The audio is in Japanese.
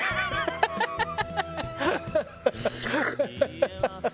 ハハハハ！